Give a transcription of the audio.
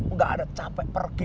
nggak ada capek pergi